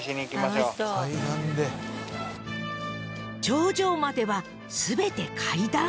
［頂上までは全て階段］